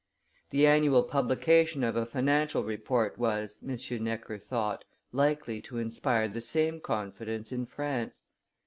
The annual publication of a financial report was, M. Necker thought, likely to inspire the same confidence in France.